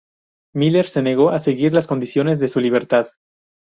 Miller se negó a seguir las condiciones de su libertad.